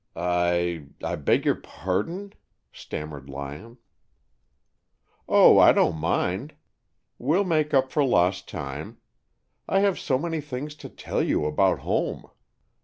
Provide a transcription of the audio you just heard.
"I I beg your pardon, " stammered Lyon. "Oh, I don't mind I We'll make up for lost time. I have so many things to tell you about home.